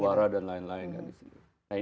beli suara dan lain lain